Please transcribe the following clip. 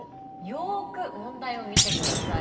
よく問題を見てください。